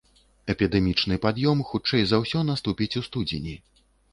Эпідэмічны пад'ём хутчэй за ўсё наступіць у студзені.